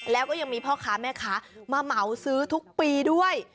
แล้วก็ยังมีพ่อค้าแม่ค้ามาเหมาซื้อทุกปีด้วย